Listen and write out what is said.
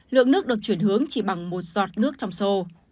lượng nước được chuyển hướng chỉ bằng một giọt nước trong sô